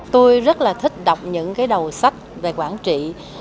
tôi rất là thích đọc những cái đầu sách về quản trị